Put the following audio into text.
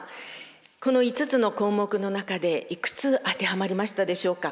この５つの項目の中でいくつ当てはまりましたでしょうか？